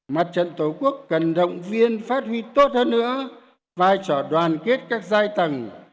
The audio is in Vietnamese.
mặt trận tổ quốc cần động viên phát huy tốt hơn nữa vai trò đoàn kết các giai tầng